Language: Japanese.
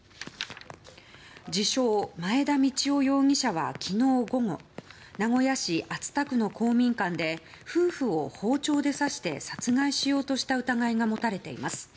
自称・前田道夫容疑者は昨日午後名古屋市熱田区の公民館で夫婦を包丁で刺して殺害しようとした疑いが持たれています。